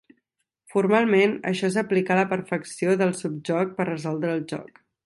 Formalment, això és aplicar la perfecció del subjoc per resoldre el joc.